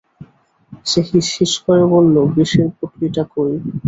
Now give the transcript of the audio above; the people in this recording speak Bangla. সে হিসহিস করে বলল, বিষের পুটলিটা কই?